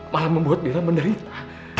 malah membuat bela menderita